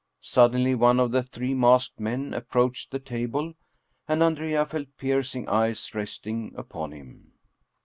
Suddenly one of the three masked men approached the table and Andrea felt piercing eyes resting upon him.